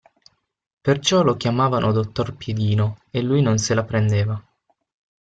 Perciò lo chiamavano dottor piedino, e lui non se la prendeva